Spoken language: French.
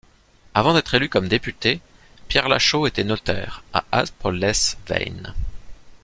Avant d'être élu comme député, Pierre Lachau était notaire, à Aspres-lès-Veynes.